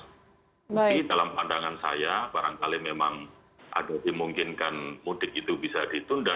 tapi dalam pandangan saya barangkali memang ada dimungkinkan mudik itu bisa ditunda